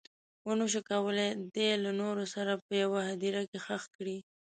ونه شول کولی دی له نورو سره په یوه هدیره کې ښخ کړي.